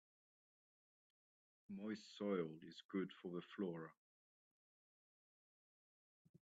Moist soil is good for the flora.